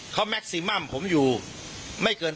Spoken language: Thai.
เขาแม็กซิมัมผมอยู่ไม่เกิน